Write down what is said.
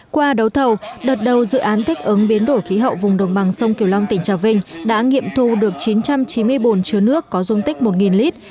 qua đấu thầu đợt đầu dự án thích ứng biến đổi khí hậu vùng đồng bằng sông kiều long tỉnh trà vinh đã nghiệm thu được chín trăm chín mươi bồn chứa nước có dung tích một lít